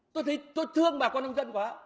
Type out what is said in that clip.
tôi thấy tôi thương bà con nông dân quá